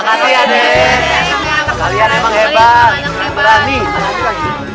kalian emang hebat